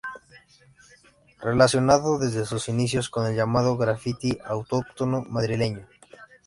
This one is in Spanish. Relacionado desde sus inicios con el llamado graffiti autóctono madrileño.